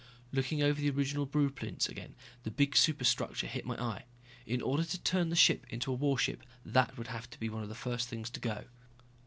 Looking over the original blueprints again, the big superstructure hit my eye. In order to turn the ship into a warship that would have to be one of the first things to go.